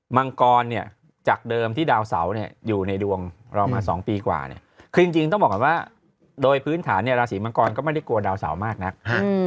มังกรเนี่ยจากเดิมที่ดาวเสาเนี่ยอยู่ในดวงเรามา๒ปีกว่าเนี่ยคือจริงต้องบอกก่อนว่าโดยพื้นฐานเนี่ยราศีมังกรก็ไม่ได้กลัวดาวเสามากนัก